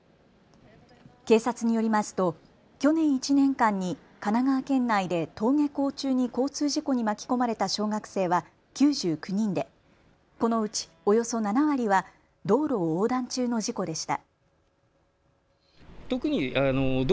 警察によりますと去年１年間に神奈川県内で登下校中に交通事故に巻き込まれた小学生は９９人でこのうちおよそ７割は道路を横断中の事故でした。